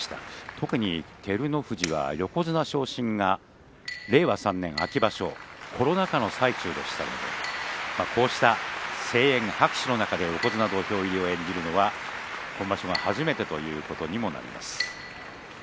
特に、照ノ富士は横綱昇進が令和３年秋場所コロナ禍の最中でしたのでこうした声援、拍手の中で横綱土俵入りを演じるのは今場所が初めてということにもなります。